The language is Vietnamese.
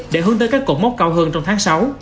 để hướng tới các cột mốc cao hơn trong tháng sáu